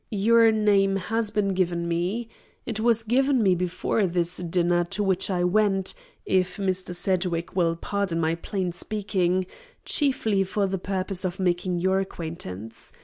Your name has been given me. It was given me before this dinner, to which I went if Mr. Sedgwick will pardon my plain speaking chiefly for the purpose of making your acquaintance.